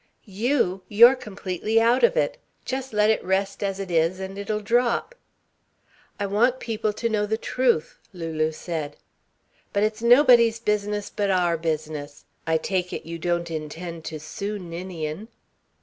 "You! You're completely out of it. Just let it rest as it is and it'll drop." "I want the people to know the truth," Lulu said. "But it's nobody's business but our business! I take it you don't intend to sue Ninian?"